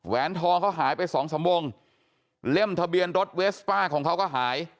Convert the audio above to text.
ทองเขาหายไปสองสามวงเล่มทะเบียนรถเวสป้าของเขาก็หาย